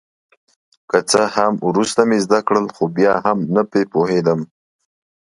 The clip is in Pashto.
که څه هم وروسته مې زده کړل خو بیا هم نه په پوهېدم.